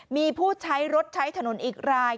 มีผู้ใช้รถใช้ถนนอีกราย